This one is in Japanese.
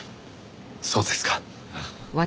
そうですか。